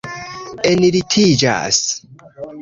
enlitiĝas